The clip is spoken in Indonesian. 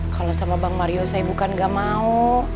kalau sama bang mario saya bukan gak mau